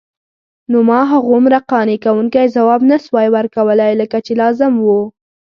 نو ما هغومره قانع کوونکی ځواب نسوای ورکولای لکه چې لازم وو.